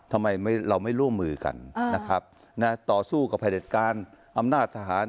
ทำไมเราไม่ร่วมมือกันนะครับนะต่อสู้กับผลิตการอำนาจทหาร